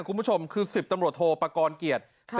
คุณผู้ชมคือสิบตำรวจโทรประกอลเกียจค่ะ